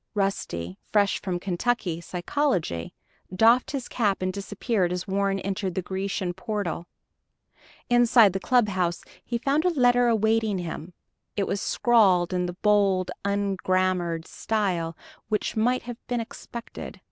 Rusty fresh from Kentucky psychology doffed his cap and disappeared as Warren entered the Grecian portal. Inside the clubhouse he found a letter awaiting him. It was scrawled in the bold, ungrammared style which might have been expected.